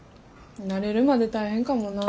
慣れるまで大変かもな。